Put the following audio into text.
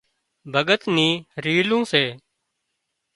ڀڳت نِي رِيلون سي